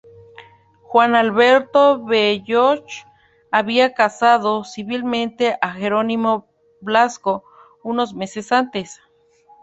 Juan Alberto Belloch había casado civilmente a Jerónimo Blasco unos meses antes.